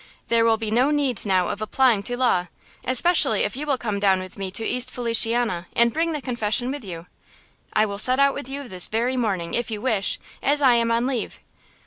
"There will be no need now of applying to law, especially if you will come down with me to East Feliciana and bring the confession with you." "I will set out with you this very morning, if you wish, as I am on leave.